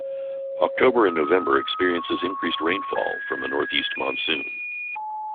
October and November experiences increased rainfall from the Northeast monsoon.